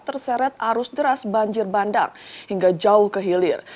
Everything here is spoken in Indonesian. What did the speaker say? terseret arus deras banjir bandang hingga jauh ke hilir